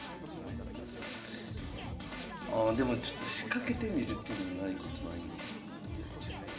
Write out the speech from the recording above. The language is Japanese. ああでもちょっと仕掛けてみるっていうのもないことないんか。